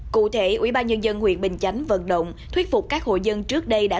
cụ thể ubnd huyện bình chánh vận động thuyết phục các hộ dân trước đây đã